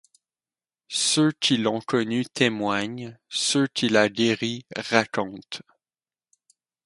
Ceux qui l'ont connu témoignent, ceux qu'il a guéris racontent.